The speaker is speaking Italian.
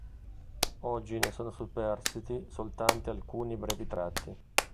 Oggi ne sono superstiti soltanto alcuni brevi tratti.